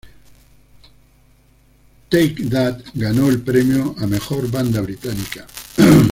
Take That ganó el premio a Mejor Banda Británica.